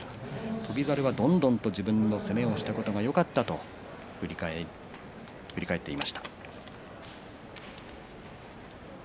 翔猿は、どんどん自分の攻めをしたことがよかったと振り返っていました。